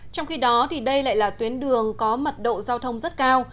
trong khi đó đây lại là tuyến đường có mật độ giao thông rất cao